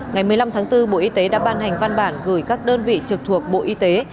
ngày một mươi năm tháng bốn bộ y tế đã ban hành văn bản gửi các đơn vị trực thuộc bộ y tế